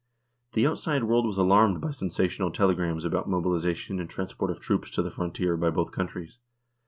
The outside world was alarmed by sensational telegrams about mobilisation and transport of troops to the frontier by both countries.